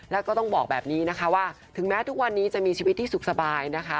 แล้วก็ต้องบอกแบบนี้นะคะว่าถึงแม้ทุกวันนี้จะมีชีวิตที่สุขสบายนะคะ